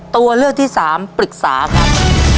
ตัวเลือกที่สามปรึกษาครับ